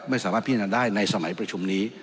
ไม่สามารถพิจารณาได้ในสมัยประชุมนี้